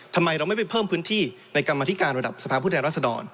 ทำไมเราไม่ไปเพิ่มพื้นที่ในกรรมธิการระดับสภาพผู้แทนรัศดร